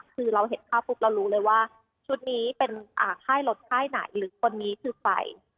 คือเราเห็นภาพปุ๊บเรารู้เลยว่าชุดนี้เป็นค่ายรถค่ายไหนหรือคนนี้คือไฟ